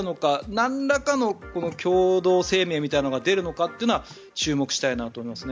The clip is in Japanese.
なんらかの共同声明みたいなのが出るのかを注目したいなと思いますね。